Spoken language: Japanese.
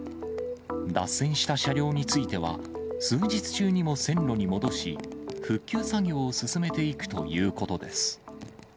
脱線した車両については、数日中にも線路に戻し、復旧作業を進めていくということです。